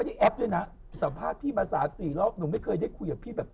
แต่ก็เริ่มมีบ้านมีรถอีก